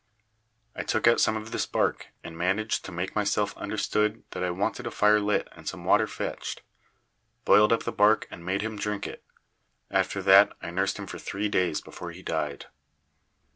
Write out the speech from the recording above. I took out some of this bark and managed to make myself understood that I wanted a fire lit and some water fetched; boiled up the bark and made him drink it. After that I nursed him for three days before he died.